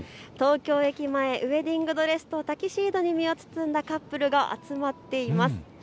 東京駅前、ウエディングドレスとタキシードに身を包んだカップルが集まっています。